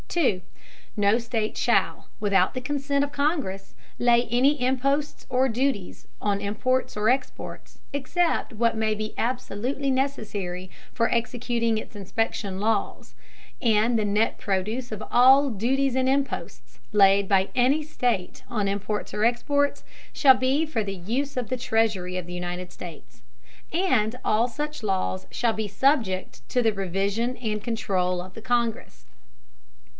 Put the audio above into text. No State shall, without the Consent of the Congress, lay any Imposts or Duties on Imports or Exports, except what may be absolutely necessary for executing its inspection Laws: and the net Produce of all Duties and Imposts, laid by any State on Imports or Exports, shall be for the Use of the Treasury of the United States; and all such Laws shall be subject to the Revision and Controul of the Congress.